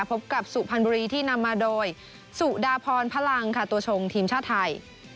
พบกับสุพรรณบุรีที่นำมาโดยสุดาพรพลังค่ะตัวชงทีมชาติไทย